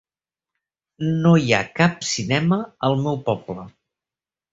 No hi ha cap cinema al meu poble.